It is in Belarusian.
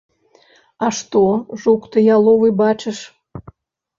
А што, жук ты яловы, бачыш?